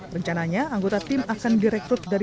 rencananya anggota tim akan direkrut dari